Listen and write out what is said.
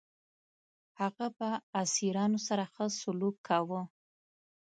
هغه به اسیرانو سره ښه سلوک کاوه.